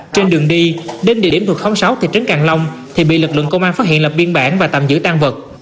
trên đường đi đến địa điểm thuộc khóm sáu thị trấn càng long thì bị lực lượng công an phát hiện lập biên bản và tạm giữ tan vật